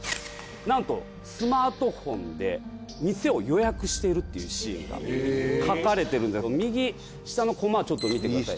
なんとスマートフォンで店を予約しているっていうシーンが描かれてるんで右下のコマちょっと見てください。